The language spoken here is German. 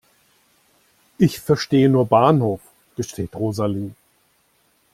"Ich verstehe nur Bahnhof", gesteht Rosalie.